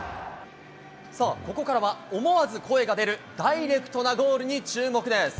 ここからは、思わず声が出る、ダイレクトなゴールに注目です。